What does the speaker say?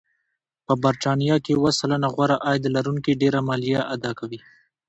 په بریتانیا کې یو سلنه غوره عاید لرونکي ډېره مالیه اداکوي